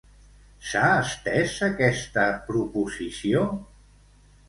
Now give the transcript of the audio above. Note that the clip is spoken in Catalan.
S'ha estès aquesta proposició?